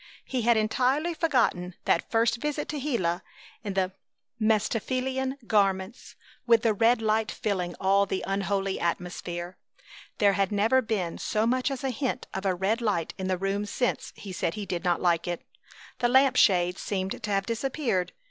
He had entirely forgotten that first visit to Gila in the Mephistophelian garments, with the red light filling all the unholy atmosphere. There had never been so much as a hint of a red light in the room since he said he did not like it. The lamp shade seemed to have disappeared.